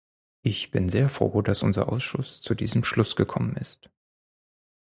Ich bin sehr froh, dass unser Ausschuss zu diesem Schluss gekommen ist.